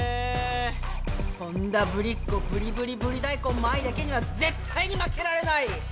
本田ブリっ子ブリブリブリ大根麻衣だけには絶対に負けられない！